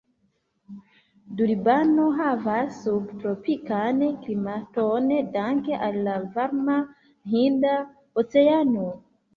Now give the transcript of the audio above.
Durbano havas sub-tropikan klimaton danke al la varma Hinda Oceano.